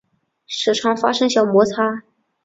时常发生小摩擦